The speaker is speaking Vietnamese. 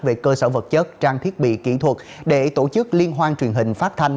về cơ sở vật chất trang thiết bị kỹ thuật để tổ chức liên hoan truyền hình phát thanh